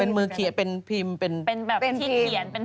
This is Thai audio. เป็นมือเขียนเป็นพิมพ์เป็นที่เขียน